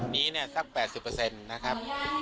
นี้เนี่ยสัก๘๐นะครับ